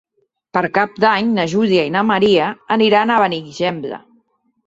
Per Cap d'Any na Júlia i na Maria aniran a Benigembla.